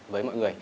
với mọi người